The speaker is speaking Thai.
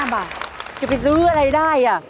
๕บาทจะไปซื้ออะไรได้